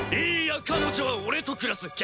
いいや彼女は俺と暮らす！